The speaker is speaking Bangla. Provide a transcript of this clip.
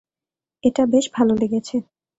এটা বেশ ভালো লেগেছে।